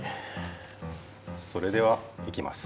それではいきます。